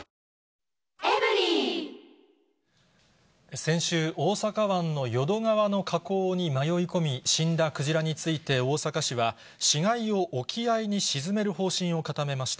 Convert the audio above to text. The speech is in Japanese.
先週、大阪湾の淀川の河口に迷い込み、死んだクジラについて大阪市は、死骸を沖合に沈める方針を固めました。